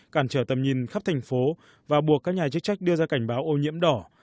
cản trở tầm nhìn khắp thành phố và buộc các nhà chức trách đưa ra cảnh báo ô nhiễm đỏ